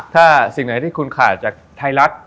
ถ้าสิ่งไหนที่คุณขาดจากไทยรัฐ